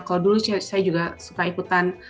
kalau dulu saya juga suka ikutan